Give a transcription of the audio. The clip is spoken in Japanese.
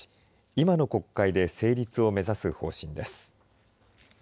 今の国会で成立を目指す方針です。